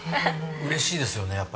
嬉しいですよね